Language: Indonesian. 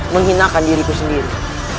menghinakan diriku sendiri